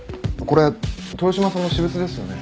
これ豊島さんの私物ですよね。